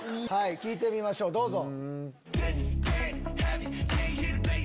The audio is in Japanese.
聴いてみましょうどうぞ。